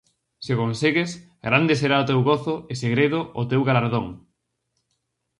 Se o consegues, grande será o teu gozo e segredo o teu galardón.